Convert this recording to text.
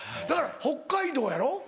だから北海道やろ？